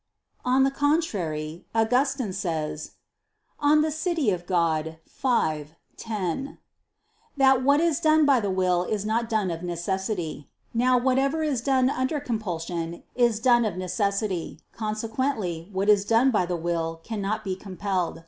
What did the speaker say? On the contrary, Augustine says (De Civ. Dei v, 10) that what is done by the will is not done of necessity. Now, whatever is done under compulsion is done of necessity: consequently what is done by the will, cannot be compelled.